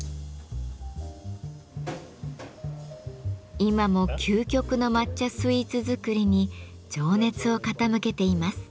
今も究極の抹茶スイーツ作りに情熱を傾けています。